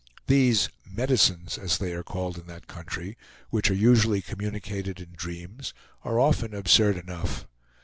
These "medicines," as they are called in that country, which are usually communicated in dreams, are often absurd enough.